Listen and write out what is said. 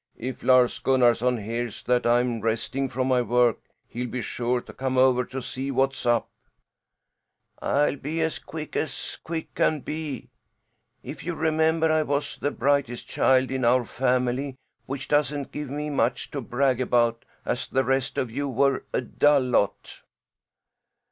"If Lars Gunnarson hears that I'm resting from my work he'll be sure to come over to see what's up." "I'll be as quick as quick can be. If you remember, I was the brightest child in our family, which doesn't give me much to brag about, as the rest of you were a dull lot."